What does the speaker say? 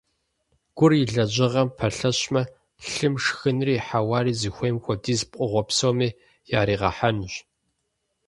Гур и лэжьыгъэм пэлъэщмэ, лъым шхынри хьэуари зыхуейм хуэдизу пкъыгъуэ псоми яӀэригъэхьэнущ.